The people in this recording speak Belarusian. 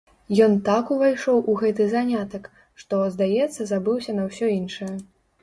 Ён так увайшоў у гэты занятак, што, здаецца, забыўся на ўсё іншае.